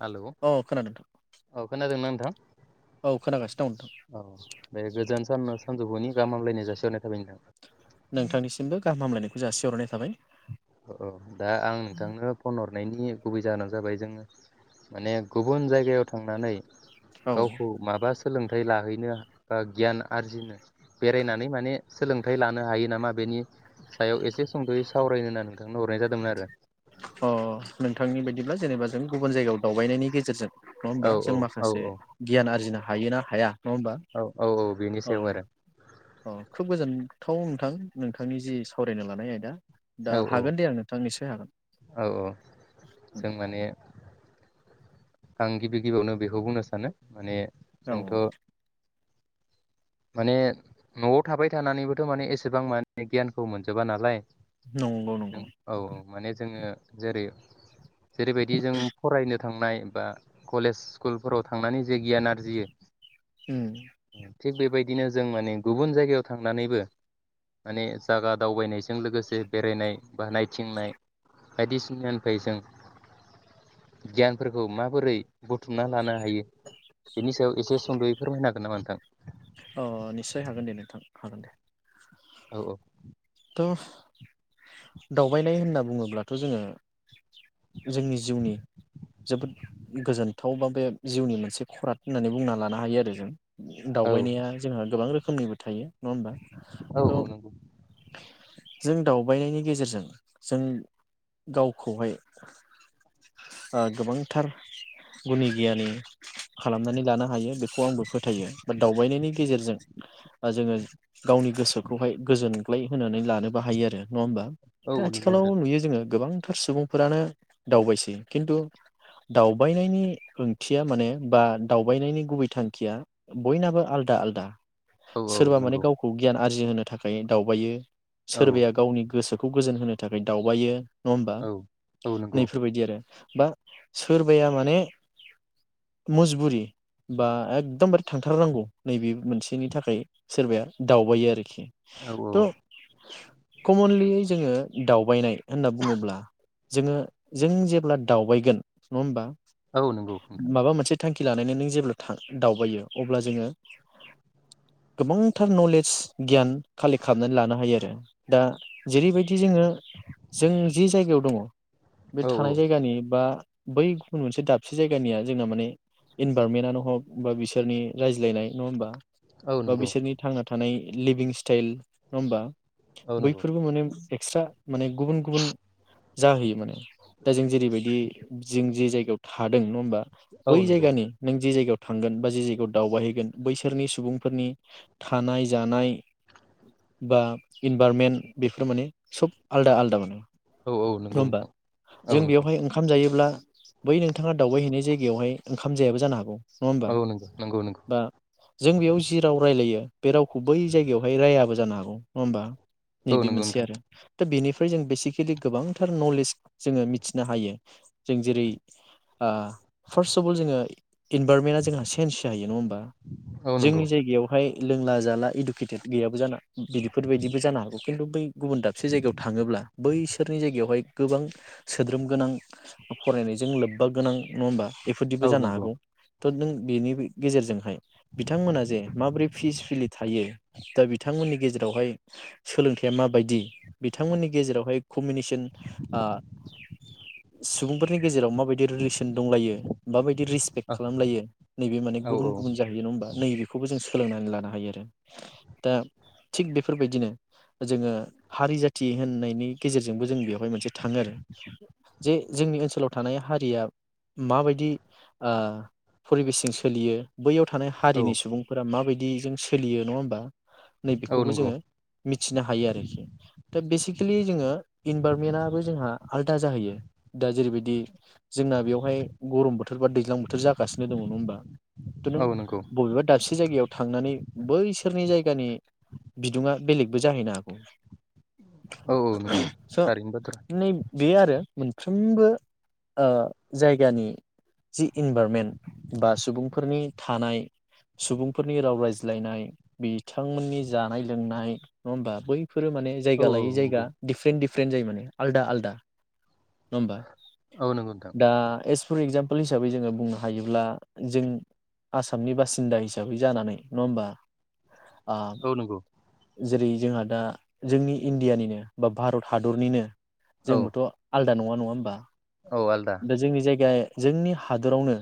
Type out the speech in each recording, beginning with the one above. Hello औ खोनादों नोंथां औ खोनादोंना नों थां? औ खोनागासिनो दं नोंथां। साननो सानजौफुनि गाहाम हामलायनाय जासिहरनाय थाबाय नोथां। नोंथांनिसिमबो गाहाम हामलायनायखौ जासिहरनाय थाबाय। ओ ओ दा आं नोंथांनो फन हरनायनि गुबै जाहोनानो जाबाय जोङो माने गुबुन जायगायाव थांनानै औ गावखौ माबास सोलोंथाइ लाहैनो बा गियान आरजिनो बेरायनानै माने सोलोंथाइ लानो हायो नामा बेनि सायाव एसे सुंद'यै सावरायनो होननानै अ नोंथांनि बायदि दिब्ला जेनेबा जों गुबुन जायगायाव दावबायनायनि गेजेरजों नङा होमबा औ जों औ औ माखासे औ गियान आरजिनो हायो ना हाया नङा होमबा? औ औ बेनि औ। सायाव आरो अ खोब गोजोनथाव नोंथां नोंथांनि जि सावरायनो लानाय आयदा। दा औ औ हागोन दे आरो नोंथां निसय हागोन औ औ जों उम‌। माने आं गिबि गिबियावनो बेखौ बुंनो सानो माने औव जोंथ' माने न'आव थाबाय थानानैबोथ' माने एसेबां माने गियानखौ मोनजोबा नालाय। नंगौ जों नंगौ औ औ माने जोङो। जेरै जेरैबायदि जों फरायनो थांनाय बा कलेज स्कुलफोराव थांनानै जे गियान आरजियो। उम। थिग बेबायदिनो जों माने गुबुन जायगायाव थांनानैबो, माने जायागा दावबायनायजों लोगोसे बेरायनाय बा नायथिंनाय बायदिसिनानिफ्राय जों गियानफोरखौ खौ माबोरै बुथुमना लानो हायो बेनि सायाव एसे सुंद'यै फोरमायनो हागोन नामा नोंथां? अ निस्सय हागोन दे नोंथां हागोन दे। औ औ। थ' दावबायनाय होनना बुङोब्लाथ' जोङो, जोंनि जिउनि जोबोद गोजोनथाव बा बे जिउनि मोनसे खराद होननानै बुंना लानो हायो आरो जों। औ सहायनाया जोंहा गोबां रोखोम खोमनिबो थायो। नङा होमबा औ त'। नंगौ जों दावबायनायनि गेजेरजों जों गावखौहाय, ओ गोबांथार गुनि गियानि खालामनानै लानो हायो बेखौ आंबो फोथायो। दावबायनायनि गेजेरजों जोङो, गावनि गोसोखौहाय गोजोनग्लाय होनानै लानोबो हायो आरो नङा होमबा? औ दा औ नंगौ आथिखालाव नोंथां नुयो जोङो गोबां। थार सुबुंफोरानो दावबायसै खिन्थु दावबायनायनि ओंथिया माने बा दावबायनायनि गुबै थांखिया। बयनाबो आलदा आलदा। औ औ सोरबा माने नंगौ गावखौ गियान आरजिहो थाखाय दावबायो औ सोरबाया गावनि गोसोखौ खौ गोजोन होनो थाखाय दावबायो। नङा होमबा औ नंगौ नैफोरबायदि आरो। बा सोरबाया माने मजबुरि बा एकदमबार थांथारनांगौ नैबे मोनसेनि थाखाय सोरबाया दावबायो आरोखि। औ थ'। कमनलि जोङो दावबायनाय होनना बुङोब्ला जोङो जों जेब्ला दावबायगोन नङा होमबा। औ नंगौ नोंथां। खि लानायानानै नों जेब्ला था दावबायो। अब्ला जोङो गोबांथार नलेज गियान कालेक्ट खालामनानै लानो हायो आरो। दा जेरैबायदि जोङो। जों जि जायगायाव दङ' बे औ औ थानाय जायगानि बा बै गुबुन मोनसे दाबसे जायगानिया जोंना माने इनभारनमेन्ट आनो हग बा बि सोरनि रायज्लायनाय नङा होमबा। औ बा नंगौ बिसोरनि थांना थानाय लिभिं स्टाइल नङा होमबा। औ नंगौ बैफोरबो माने एक्सट्रा माने गुबुन गुबुन जाहोयो माने। दा जों जेरैबायदि जों जे जायगायाव थादों नङा होमबा औ बै नंगौ जायगानि नों जे जायगायाव थांगोन बा जे जायगायाव दावबायहैगोन बैसोरनि सुबुंफोरनि थानाय जानाय बा इनभारनमेन्ट बेफोर माने सब आलदा आलादा माने। औ औ नङा नंगौ होमबा नोंथां औ जों नंगौ बेवहाय ओंखाम जायोब्ला बै नोंथाङा दावबायहैैनाय जायगायावहाय ओंखाम जायाबो जानो हागौ। नङा होनबा। औ नंगौ नंगौ नंगौ बा जों बेयाव जि राव रायलायो बे रावखौ बै जायगायावहाय रायाबो जानो हागौ। नङा होमबा। औ नैबे नंगौ मोनसे नोंथां आरो दा बेनि फ्राय जों बेसिकेलि गोबांथार नलेज जोङो मिथिनो हायो। जों जेरै आ फार्स्टअफअल जोङो इनभारनमेन्टआ जोंहा सेन्स जाहैयो नङा होमबा। औ नंगौ जोंनि जायगायावहाय लोंला जाला इडुकेटेड गैयाबो जाना बिदिफोरबायदिबो जानो हागौ। खिन्थु बै गुबुन दाबसे जायगायाव थाङोब्ला बैसोरनि जायगायावहाय गोबां सोद्रोम गोनां फरायनायजों लोब्बा गोनां नङा होमबा। औ बेफोरदिबो जानो नंगौ हागौ। थोद नों बेनि गेजेरजोंहाय बिथांमोना जे माबोरै फिसफिलि थायो दा बिथांमोननि गेजेरावहाय सोलोंथाइया माबायदि बिथांमोननि गेजेरावहाय कमिनेसन आ सुबुंफोरनि गेजेराव माबायदि रिलेसन दंलायो माबाय रिसपेक्ट औ खालामलायो नैबे माने औ गुबुन गुबुन जाहैयो नङा होमबा नैबेखौबो जों सोलोंनानै लानो हायो आरो। दा थिग बेफोरबायदिनो जोङो हारि जाथि होननायनि गेजेरजोंबो जों बेवहाय मोनसे थाङो आरो। जे जोंनि ओनसोलाव थानाय हारिया माबायदि ओ फरिबेसजों सोलियो। बैयाव थानाय औ हारिनि सुबुंफोरा माबाय- बिदि जों सोलियो नङा होमबा। औ नैबेखौबो नंगौ जोङो मिथिनो हायो आरोखि दा बे एक्सेलि जोङो इनभाररनमेन्टआबो जोंहा आलादा जाहैयो दा जेरैबायदि जोंना बेवहाय गरम बोथोर बा दैज्लां बोथोर जा लोगो हमो हमबा थनों औ नंगौ बबेबा दबसे जायगायाव थांनानै बैसोरनि जायगानि बिदुङा बेलेगबो जाहैनो हागौ औ औ नंगौ स' थारैनो बाथ्रा। नै बे आरो मोनफ्रोमबो ओ जायगानि जि इनभरमेन्ट बा सुबुंफोरनि थानाय सुबुंफोरनि राव रायज्लायनाय बिथांमोननि जानाय लोंनाय नङा होमबा बै बेफोर मे औ जायगा औ लायै जाया नंगौ डिपरेन्ट डि फ्रेन्ड जायो माने आलदा आलदा। नङ होमबा औ नंगौ नोंथां दा एस फर एक्जामपोल हिसाबै जोङो बुं हायोब्ला जों आसामनि बासिन्दा हिसाबै जानानै नङा होमबा औ नंगौ। जेरै जोंहा दा जोंनि इण्डियानिनो बा भारत हादरनिनो औ जोंबोथ' आलद दा नङा नङा होनबा औ आलदा दा जोंनि जायगा जोंनि हादरावनो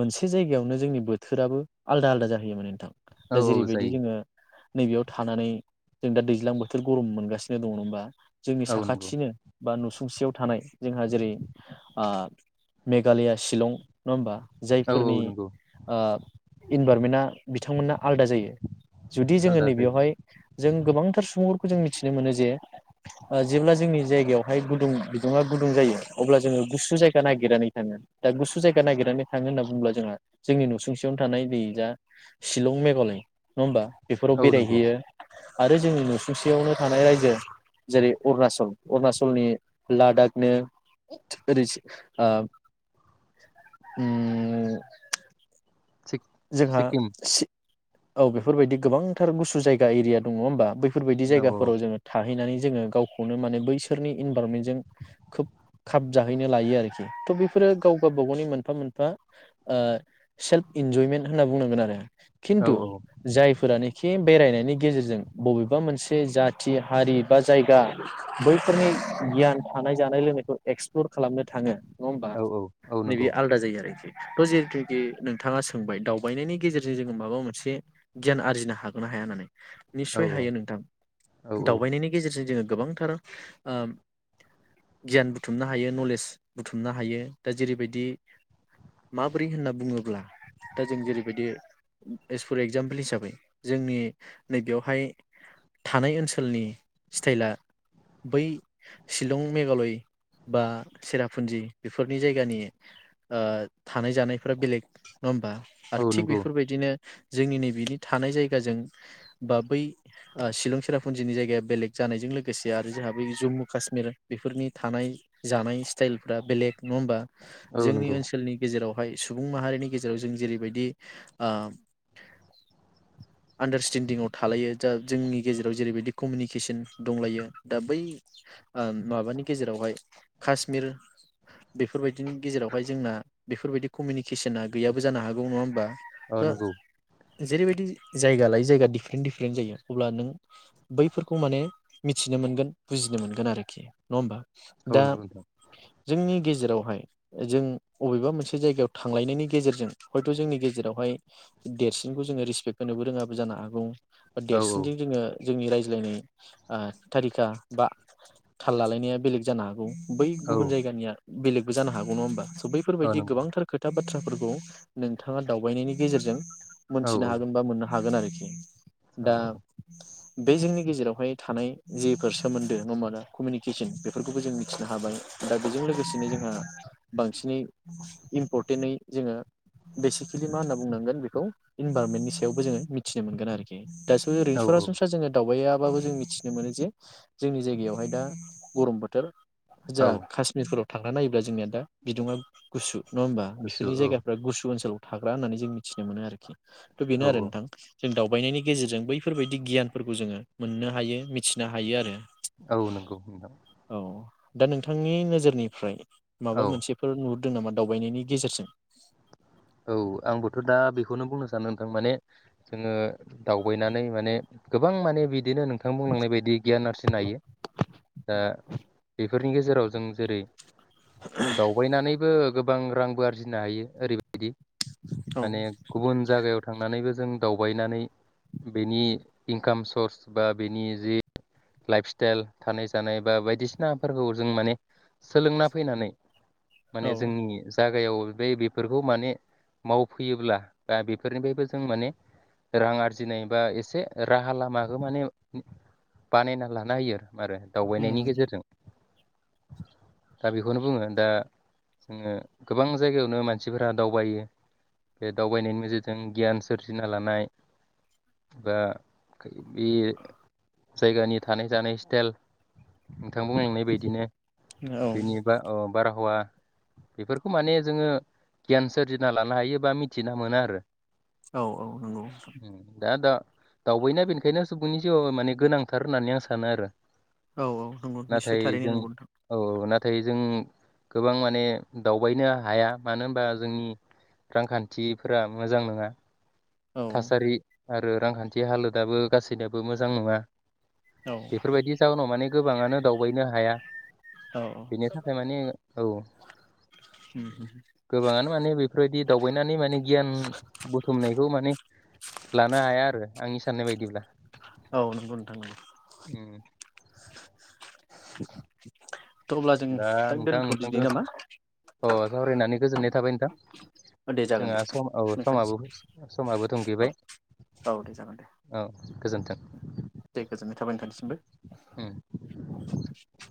मोनसे जायगायावनो जोंनि बोथोराबो आलदा आलदा जाहैय माने नोंथां औ दा औ जेरैबायदि जायो जोङो। नैबेयाव थानानै जों दा दैज्लां बोथोर गरम मोनगासिनो दङ नोमबा। जोंनि औ नंगौ साखाथिनो। बा नुसुंसेयाव थानाय जोंहा जेरै आ मेघालया शिलं नुवा होमबा औ औ जायफोरनि नंगौ ओ। इनभारमेनआ। बिथांमोनना आलदा जायो जुदि जोङो आलदा जायो नैबेयावहाय जों गोबांथार सुबुंफोरखौ जों मिथिनो मोनो जे। ओ जेब्ला जोंनि जायगायावहाय गुदुं बिदुङा गुदुं जायो अब्ला जोङो गुसु जायगा नागिरनानै थाङो दा गुसु जायगा नागिरनानै। थाङो होनना बुंब्ला जोंहा जोंनि नुसुंसेयावनो थानाय दै जा शिलं मेघालय नुवा होमबा। बेफोराव औ नंगौ बेरायहैयो। आरो जोंनि नुसुंसेयावनो थानाय रायजो जेरै अरुणाचल-अरुणाचलनि लादाखनो [unintelligible] उम। थिग जोंहा सिक्किम सि। औ बेफोरबायदि गोबांथार गुसु जायगा एरिया दं नङा होमबा बै फोरबायदि औ जायगाफोराव जोङो थाहैनानै जोङो गावखौनो माने बैसोरनि इनभारमेनजों खोब खाब जहैनो लायो आरोखि थ बेफोरो गाव-गावबा गावनि मोनफा मोनफा ओ सेल्प इनजयमेन्त होनना बुंनांगोन आरो औ खिन्थु जायफोरानो खि बेरायनायनि गेजेरजों बबेबा मोनसे जाथि हारि बा जायगा बैफोरनि गियान थानाय जानाय लोंनायखौ एक्सप्लर खालामनो थाङो नङा होमबा औ औ नैबे नंगौ आलदा जायो आरोखि थ जहेथुकि नोंथाङा सोंबाय दावबायनायनि गेजेरजों जोङो माबा मोनसे गियान आरजिनो हागोना हाया होनानै औ निशय हायो नोंथां औ औ दावबायनायनि गेजेरजों जोङो गोबांथार ओ गियान बुथुमनो हायो नलेज बुथुमनो हायो दा जेरैबायदि माबोरै होनना बुङोब्ला दा जों जेरैबायदि एस फर एक्जामपोल हिसाबै जोंनि नैबेयावहाय थानाय ओनसोलनि स्थाइला बै शिलं मेघालय बा सेराफुन्जि बेफोरनि जायगानि ओ थानाय जानायफोरा बेलेग नङा होमबा आरो औ थिग नंगौ बेफोरबायदिनो जोंनि नैबेनि थानाय जायगाजों बा बै ओ शिलं सेराफुन्जिनि जायगाया बेलेग जानायजों लोगोसे आरो जोंहा बै जम्मु काश्मिर बेफोरनि थानाय जानाय स्थाइलफ्रा बेलेग नवा होमबा औ जोंनि नंगौ ओनसोलनि गेजेराव हाय सुबुं माहारिनि गेजेराव जों जेरैबायदि आ आन्डारस्टेनडिंआव थालायो जा जोंनि गेजेराव जेरैबायदि कमिनिकेसन दंलायो दा बै ओम माबानि गेजेरावहाय काशमिर बेफोरबाय दिनि गेजेरावहाय जोंना बेफोरबायदि कमिनिकेसना गैयाबो जानो हागौ नुवा होमबा ओ दा नंगौ जेरैबायदि जायगा लायै जायगा डिफ्रेन्ट डिफ्रेन्ट जायो अब्ला नों बैफोरखौ माने मिथिनो मोनगोन बुजिनो मोनगोन आरोखि नवा होमबा औ दा नंगौ नोंथां जोंनि गे जेरावहाय जों अबेबा मोनसे जायगायाव थांलायनायनि गेजेरजों हयथ' जोंनि गेजेरावहाय देरसिनखौ जोङो रिसपेक्ट होनोबो रोङाबो जानो हागौ। औ देरसिनजों जोङो जोंनि रायज्लायनाय ओ थारिखा बा थाल लालायनाया बेलेग जानो हागौ। बै औ गुबुन जायगानिया बेलेगबो जानो हागौ नङा होमबा? औ बैफोरबायदि नंगौ गोबांथार खोथा बा बाथ्राफोर खौ नोंथाङा दावबायनायनि गेजेरजों औ मोनथिनो हागोन बा मोनना हागोन आरोखि। औ दा बे जोंनि गेजेरावहाय थानाय जेफोर सोमोन्दो नुनो मोनो कमिउनिकेसन बेफोरखौबो जों मिथिनो हाबाय दा बेजों लोगोसेनो जोंहा बांसिनै इम्परटेनै जोंङो बेसिकेलि मा होनना बुंनांगोन बेखौ इनभारनमेन्टनि सायावबो जोंङो मिथिनो मोनगोन आरोखि। दासो ओरैनो औ औ सरासनस्रा जोंङो दावबाया बाबो जों मिथिनो मोनो जे जोंनि जायगायावहाय दा गरम बोथोर। ओजों औ काशमिरफोराव थांना नायोब्ला जोंनिया दा बिदुंङा गुसु नंङा होमबा? गुसु बिनि औ जायगाफ्रा गुसु ओनसोल। थाग्रा होननानै जों मिथिनो मोनो आरोखि। थ औ बेनो आरो नोंथां जों दाउ दावबायनायनि गेजेरजों बैफोरबायदि गियानफोरखौ जोंङो मोननो हायो मिथिनो हायो आरो। औ नंगौ नोंथां। औ दा नोंथांनि नोजोरनिफ्राय औ माबा मोनसेफोर नु दों नामा दावबायनायनि गेजेरजों? औ आंबोथ दा बेखौनो बुंनो सानो नोंथां माने जोंङो दावबायनानै माने गोबां माने बिदिनो नों थां बुंलांनाय बायदि गियान आरजिनो हायो दा बे बेफोरनि गेजेराव जों जेरै दावबायनानैबो गोबां रांबो आरजिनो हायो ओरै बि औ माने गुबुन जायगायाव थांनानैबो जों दावबायनानै बेनि इनकाम सर्स बा बेनि जि लाइफ स्टाइल थानाय जानाय बा बायदिसिनाफोरखौ जों माने सोलोंना फैनानै माने जोंनि जाग जायगायाव बे बेफोरखौ माने मावफैयोब्ला बा बेफोरनिफ्रायबो जों माने रां आरजिनाय बा एसे राहा लामाखौ माने बानायना लाना होयो आरो उम दावबायनायनि गेजेरजों दा बेखौनो बुंङो दा जोंङो गोबां जायगायावनो मानसिफोरा दावबायो बे दावबायनायनि नोेजोरजों गियान सोरजिना लानाय बा बे जायगानि थानाय जानाय स्टाइल नोंथां बुंलांनाय बायदिनो औ बेनि बा ओ बारहावा बेफोरखौ माने जोंङो गियान सोरजिना लानो हायो बा मिथिना मोना आरो औ औ नंगौ नोंथां दा दा दावबायनाया बेनिखायनो सुबुंनि जिउयाव माने गोनांथार होननानै आं सानो आरो औ औ नंगौ निस्सय नाथाय थारैनो जों नोंगौ नोंथां औ नाथाय जों गोबां माने दावबायनो हाया मानो होनबा जोंनि रांखान्थिफोरा मोजां नोङा। औ थासारि आरो रांखान्थि हालोदाबो गासैनाबो मोजां नङा। औ बेफोरबायदि जाहोनाव माने गोबाङानो दावबायनो हाया औ बेनि थाखाय माने औ गोबाङानो माने बेफोरबायदि दावबायनानै माने गियान बुथुमनायखौ माने लानो हाया आरो आंनि स साननाय बायदिब्ला औ नंगौ नोंथां नों [inaudible] उम दा नोंथां नोंथांजों अ सावरायनानै गोजोननाय थाबाय नों [unintelligible] दे जागोन दे नोंथां नोंथांसै समाबो औ थुंगेबाय औ दे जागोन दे औ गोजोन्थों दे गोजोन्नाय थाबाय नोंथांनिसिमबो उम [inaudible]